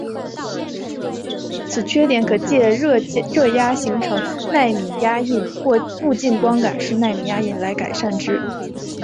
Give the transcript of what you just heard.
此缺点可藉热压成形式奈米压印或步进光感式奈米压印来改善之。